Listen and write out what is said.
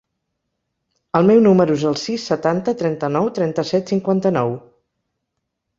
El meu número es el sis, setanta, trenta-nou, trenta-set, cinquanta-nou.